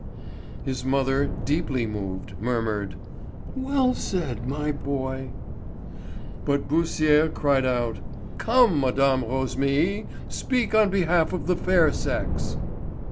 His mother, deeply moved, murmured: "Well said, my boy." But Beausire cried out: "Come, Mme. Rosémilly, speak on behalf of the fair sex."